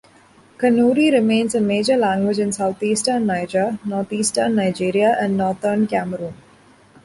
Kanuri remains a major language in southeastern Niger, northeastern Nigeria and northern Cameroon.